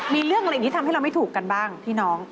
มีเรื่องอะไรอย่างนี้ทำให้เราไม่ถูกกันบ้างพี่น้อง